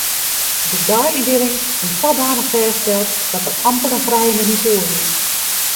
De deiyndieling wie sadanich fêststeld dat der amper in frije minút oer wie.